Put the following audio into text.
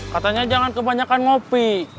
katanya jangan kebanyakan ngopi